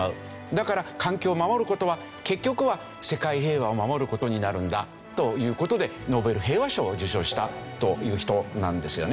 だから環境を守る事は結局は世界平和を守る事になるんだという事でノーベル平和賞を受賞したという人なんですよね。